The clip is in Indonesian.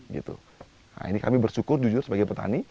nah ini kami bersyukur jujur sebagai petani